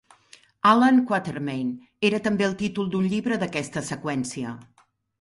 "Allan Quatermain" era també el títol d'un llibre d'aquesta seqüència.